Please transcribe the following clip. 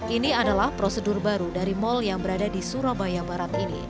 ini adalah prosedur baru dari mal yang berada di surabaya barat ini